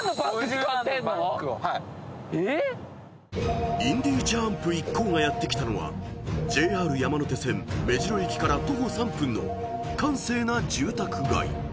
ジャーンプ一行がやって来たのはＪＲ山手線目白駅から徒歩３分の閑静な住宅街］